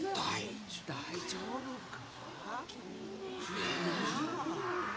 大丈夫か？